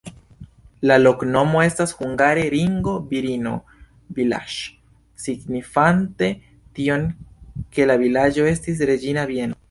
La loknomo estas hungare: ringo-virino-vilaĝ', signifante tion, ke la vilaĝo estis reĝina bieno.